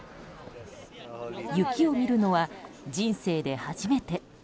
雪を見るのは人生で初めて。